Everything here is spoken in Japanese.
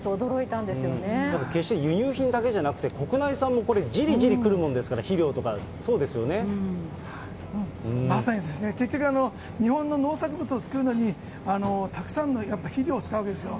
ただ決して、輸入品だけじゃなくて、国内産もこれ、じりじりくるものですから、まさにですね、結局、日本の農作物を作るのにたくさんのやっぱり肥料を使うわけですよ。